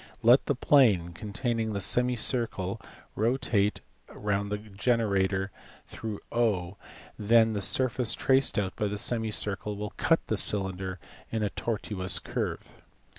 Let the plane containing this semicircle rotate round the generator through 0, then the surface traced out by the semicircle will cut the cylinder in a ARCHYTAS. THEODORUS. 31 tortuous curve.